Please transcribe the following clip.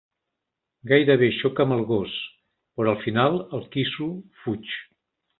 Gairebé xoca amb el gos, però al final el quisso fuig.